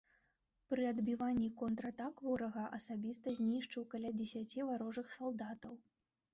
Пры адбіванні контратак ворага асабіста знішчыў каля дзесяці варожых салдатаў.